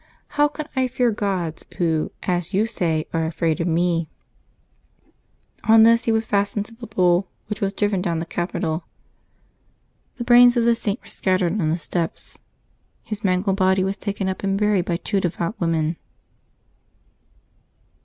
How can I fear gods who, as you say, are afraid of me ?" On this he was fastened to the bull, which was driven down the capitol. The brains of the Saint were KovEMBEB 30] LIVES OF TEE SAINTS 369 scattered on the steps. His mangled body was taken up and buried by two devout women.